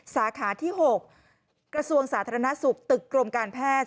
สาขาที่๖กระทรวงสาธารณสุขตึกกรมการแพทย์